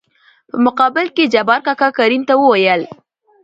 په مقابل کې يې جبار کاکا کريم ته وويل :